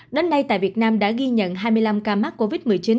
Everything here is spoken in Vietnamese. đến nay tại việt nam đã ghi nhận hai mươi năm ca mắc covid một mươi chín